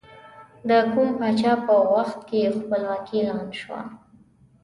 د کوم پاچا په وخت کې خپلواکي اعلان شوه؟